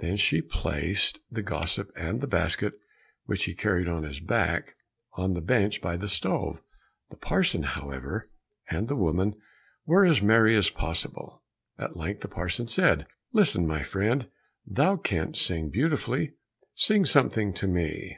Then she placed the gossip and the basket which he carried on his back on the bench by the stove. The parson, however, and the woman, were as merry as possible. At length the parson said, "Listen, my dear friend, thou canst sing beautifully; sing something to me."